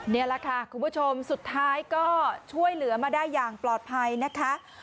นี่แหละค่ะคุณผู้ชมสุดท้ายก็ช่วยเหลือมาได้อย่างปลอดภัยนะคะ